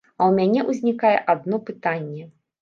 А ў мяне ўзнікае адно пытанне.